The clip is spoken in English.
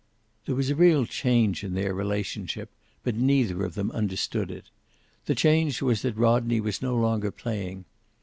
There was a real change in their relationship, but neither of them understood it. The change was that Rodney was no longer playing.